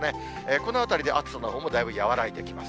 このあたりで暑さのほうもだいぶ和らいできます。